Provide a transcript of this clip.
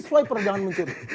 swiper jangan mencuri